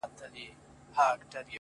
الوتني کوي